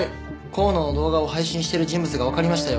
香野の動画を配信してる人物がわかりましたよ。